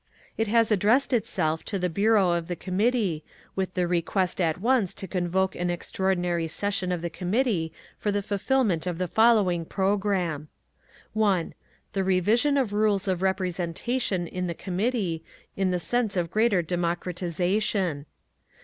It has addressed itself to the bureau of the Committee, with the request at once to convoke an extraordinary session of the Committee for the fulfilment of the following programme: 1. The revision of rules of representation in the Committee, in the sense of greater democratisation.